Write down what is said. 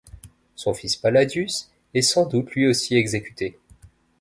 Son fils Palladius est sans doute lui aussi exécuté.